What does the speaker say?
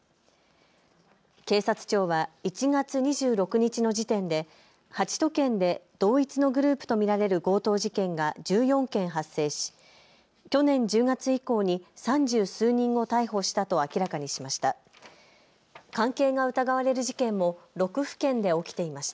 警察庁は１月２６日の時点で８都県で同一のグループと見られる強盗事件が１４件発生し去年１０月以降に三十数人を逮捕したと明らかにしました。